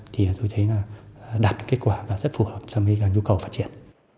thì tôi thấy là đạt kết quả rất phù hợp với nhu cầu phát triển